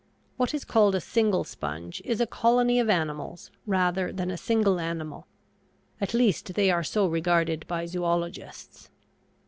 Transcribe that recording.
What is called a single sponge is a colony of animals rather than a single animal; at least they are so regarded by zoölogists.